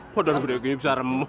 badan gua gini bisa remuk